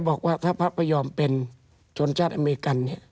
บอกว่าถ้าพระพยอมเป็นชนชาติอเมริกันเนี่ย